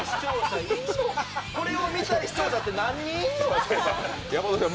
これを見たい視聴者って何人いんの？